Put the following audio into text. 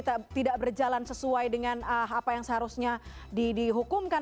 tidak berjalan sesuai dengan apa yang seharusnya dihukumkan